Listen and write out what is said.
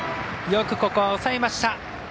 よくここは抑えました。